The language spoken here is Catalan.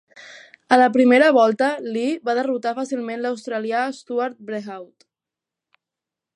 A la primera volta, Lee va derrotar fàcilment l'australià Stuart Brehaut.